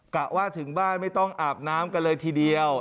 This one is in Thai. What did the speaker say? กะว่าถึงบ้านไม่ต้องอาบน้ำกันเลยทีเดียว